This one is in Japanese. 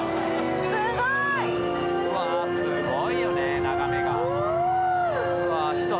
すごいよね、眺めが。